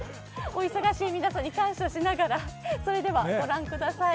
お忙しい皆さんに感謝しながらそれではご覧ください。